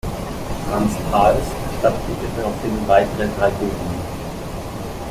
Frans Hals erstattete ihr daraufhin weitere drei Gulden.